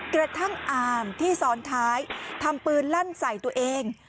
อามที่ซ้อนท้ายทำปืนลั่นใส่ตัวเอง